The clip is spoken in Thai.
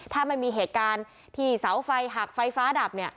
ถ้ามันมีเหตุการณ์ที่เสาไฟหักไฟฟ้าดับเนี่ย